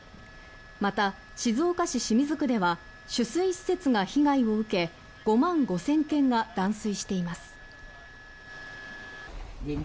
また、静岡市清水区では取水施設が被害を受け５万５千軒が断水しています。